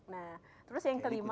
nah terus yang kelima